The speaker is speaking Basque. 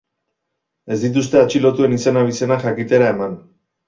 Ez dituzte atxilotuen izen-abizenak jakitera eman.